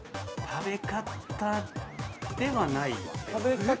◆食べ方ではない。